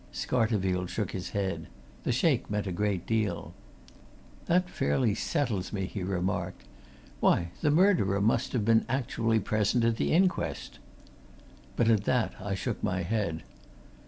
Scarterfield shook his head: the shake meant a great deal. "That fairly settles me!" he remarked. "Why, the murderer must have been actually present at the inquest." But at that I shook my head.